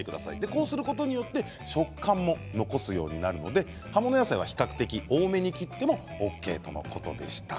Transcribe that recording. こうすることによって、食感も残すようになるので葉物野菜は比較的大きめに切ってもＯＫということでした。